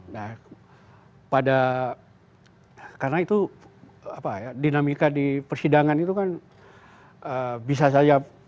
nah pada karena itu dinamika di persidangan itu kan bisa saja